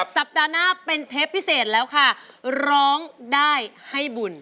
สัปดาห์หน้าเป็นเทปพิเศษแล้วค่ะร้องได้ให้บุญ